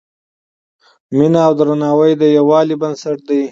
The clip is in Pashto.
مینه او درناوی د یووالي بنسټ دی.